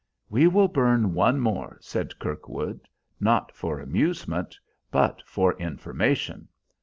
"We will burn one more," said Kirkwood, "not for amusement, but for information."